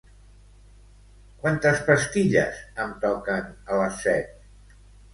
Quantes pastilles em toquen a les set?